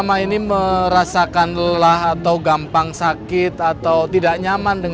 dengan cara penjelajah pada memenuhi hak copyright undang undang menteri